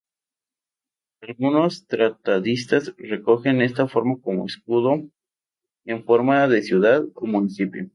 Algunos tratadistas recogen esta forma como escudo en forma de ciudad o municipio.